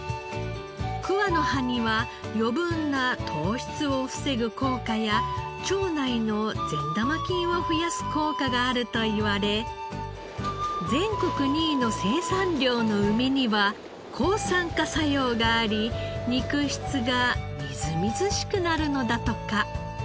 桑の葉には余分な糖質を防ぐ効果や腸内の善玉菌を増やす効果があるといわれ全国２位の生産量の梅には抗酸化作用があり肉質がみずみずしくなるのだとか。